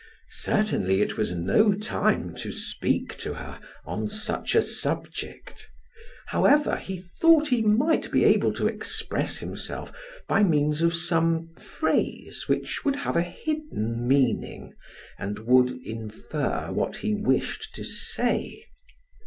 Certainly it was no time to speak to her on such a subject; however, he thought he might be able to express himself by means of some phrase which would have a hidden meaning and would infer what he wished to say.